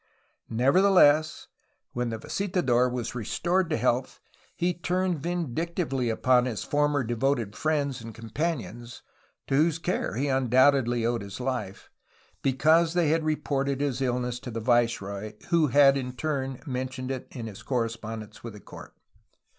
'' Nevertheless, when the visitador was restored to health he turned vindictively upon his former devoted friends and companions (to whose care he undoubtedly owed his life) because they had reported his illness to the viceroy, who had in turn mentioned it in his correspondence with the court.